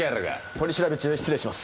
取り調べ中失礼します。